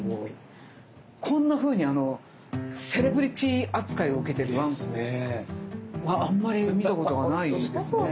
こんなふうにセレブリティ扱いを受けてるわんこはあんまり見たことがないですね。